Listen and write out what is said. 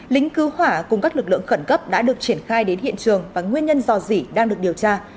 lính cứu hỏa cùng các lực lượng khẩn cấp đã được triển khai đến hiện trường và nguyên nhân dò dỉ đang được điều tra